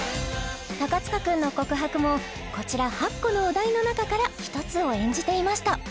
塚くんの告白もこちら８個のお題の中から１つを演じていました